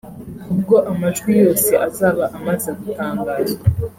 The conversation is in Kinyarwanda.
ubwo amajwi yose azaba amaze gutangazwa